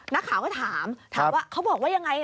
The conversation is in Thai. นักข่าวก็ถามถามว่าเขาบอกว่ายังไง